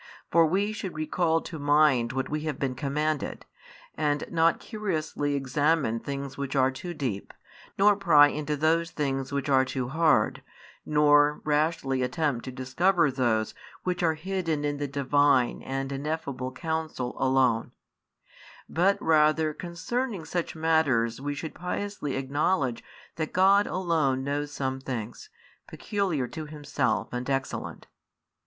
For we should recall to mind what we have been commanded, and not curiously examine things which are too deep, nor pry into those which are too hard, nor rashly attempt to discover those which are hidden in the Divine and ineffable counsel alone; but rather concerning such matters we should piously acknowledge that God alone knows some things, peculiar to Himself and excellent.